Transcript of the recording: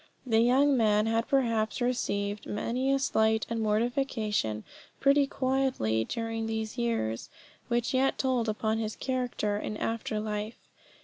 The young man had perhaps received many a slight and mortification pretty quietly during these years, which yet told upon his character in after life.